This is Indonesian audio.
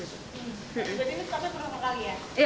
hmm buat ini coba berapa kali ya